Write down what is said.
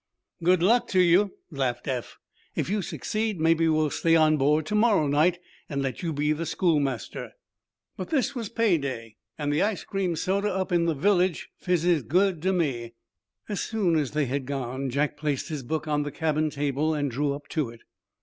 "Good luck to you," laughed Eph. "If you succeed, maybe we'll stay on board to morrow night and let you be schoolmaster. But this was pay day, and the ice cream soda up in the village fizzes good to me." As soon as they had gone, Jack placed his book on the cabin table and drew up to it.